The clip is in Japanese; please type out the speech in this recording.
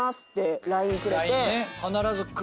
必ず来る？